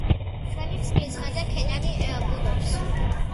ჩვენი მსხლის ხეზე ქედანი ბუდობს.